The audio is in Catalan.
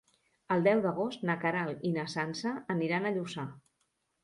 El deu d'agost na Queralt i na Sança aniran a Lluçà.